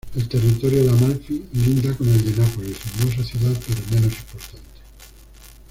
El territorio de Amalfi linda con el de Nápoles; hermosa ciudad, pero menos importante.